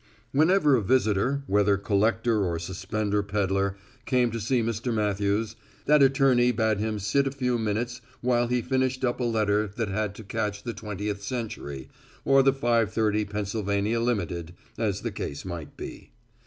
Whenever a visitor, whether collector or suspender peddler, came to see Mr. Matthews, that attorney bade him sit a few minutes while he finished up a letter that had to catch the Twentieth Century or the five thirty Pennsylvania Limited, as the case might be.